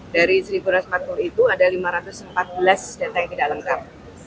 dari satu ratus empat puluh itu ada lima ratus empat belas data yang tidak lengkap